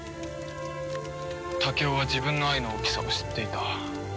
武夫は自分の愛の大きさを知っていた。